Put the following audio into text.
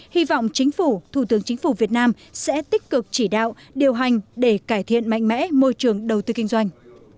hy vọng chính phủ thủ tướng chính phủ việt nam sẽ tích cực chỉ đạo điều hành để cải thiện mạnh mẽ môi trường đầu tư kinh doanh